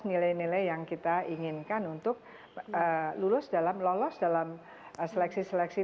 nilai nilai yang kita inginkan untuk lulus dalam lolos dalam seleksi seleksi